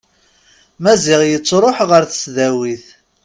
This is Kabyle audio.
Maziɣ yettruḥ ɣer tesdawit.